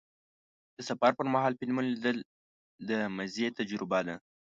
د سفر پر مهال فلمونه لیدل د مزې تجربه ده.